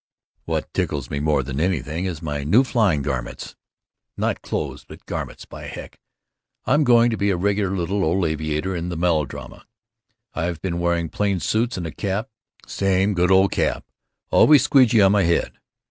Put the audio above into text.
What tickles me more than anything is my new flying garments—not clothes but garments, by heck! I'm going to be a regular little old aviator in a melodrama. I've been wearing plain suits and a cap, same good old cap, always squeegee on my head.